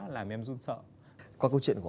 làm em run sợ